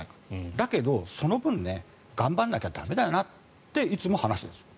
だけど、その分頑張らなきゃ駄目だよなっていつも話しているんですよ。